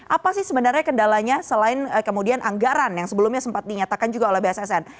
apa sih sebenarnya kendalanya selain kemudian anggaran yang sebelumnya sempat dinyatakan juga oleh bssn